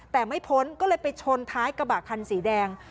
แต่ไม่พ้นก็เลยไปชนท้ายกระบะคันสีแดง